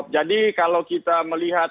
jadi kalau kita melihat